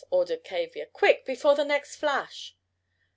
ordered Tavia. "Quick! Before the next flash!"